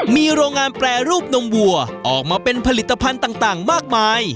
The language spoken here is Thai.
มีโรงงานแปรรูปนมวัวออกมาเป็นผลิตภัณฑ์ต่างมากมาย